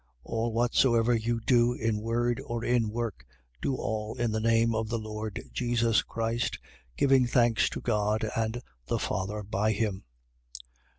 3:17. All whatsoever you do in word or in work, do all in the name of the Lord Jesus Christ, giving thanks to God and the Father by him.